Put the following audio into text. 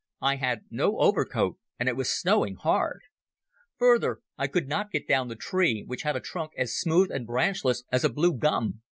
I had no overcoat, and it was snowing hard. Further, I could not get down the tree, which had a trunk as smooth and branchless as a blue gum.